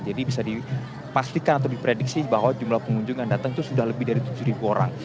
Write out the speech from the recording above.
jadi bisa dipastikan atau diprediksi bahwa jumlah pengunjung yang datang itu sudah lebih dari tujuh orang